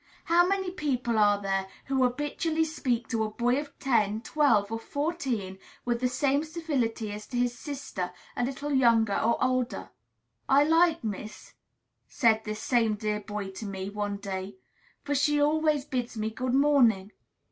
How many people are there who habitually speak to a boy of ten, twelve, or fourteen with the same civility as to his sister, a little younger or older? "I like Miss ," said this same dear boy to me, one day; "for she always bids me good morning."